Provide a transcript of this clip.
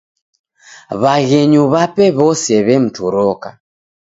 W'aghenyu w'ape w'ose w'emtoroka.